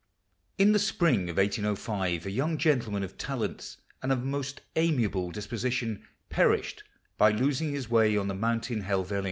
[In the spring of 1805, a young gentleman of talents, and of a most amiable disposition, perished by losing his way on the mountain Helvellyn.